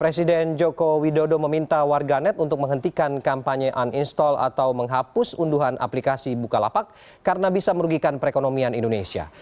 presiden joko widodo meminta warga net untuk menghentikan kampanye uninstall atau menghapus unduhan aplikasi bukalapak karena bisa merugikan perekonomian indonesia